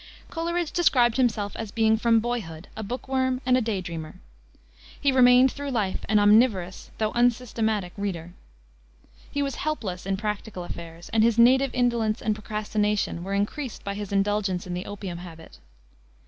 Coleridge described himself as being from boyhood a book worm and a day dreamer. He remained through life an omnivorous, though unsystematic, reader. He was helpless in practical affairs, and his native indolence and procrastination were increased by his indulgence in the opium habit.